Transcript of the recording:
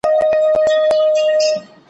زه بايد کتابونه وړم،